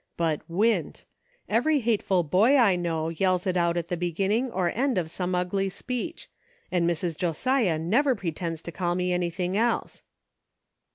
But, Wint ! Every hateful boy I know yells it out at the be ginning or end of some ugly speech ; and Mrs. Josiah never pretends to call me anything else."